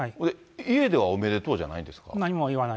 家ではおめでとうじゃないんですか？